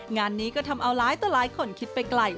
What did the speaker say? งานนี้ก็ทำเอาหลายต่อหลายคนคิดไปไกล